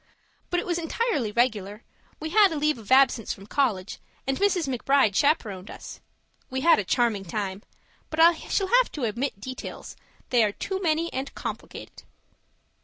But it was entirely regular; we had leave of absence from college, and Mrs. McBride chaperoned us. We had a charming time but I shall have to omit details; they are too many and complicated.